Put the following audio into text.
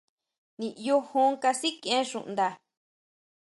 Niʼyu jon kasikʼien xuʼnda.